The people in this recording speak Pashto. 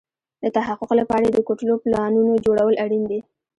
د تحقق لپاره يې د کوټلو پلانونو جوړول اړين دي.